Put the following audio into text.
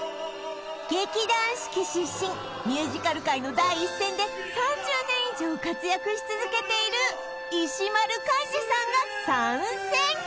劇団四季出身ミュージカル界の第一線で３０年以上活躍し続けている石丸幹二さんが参戦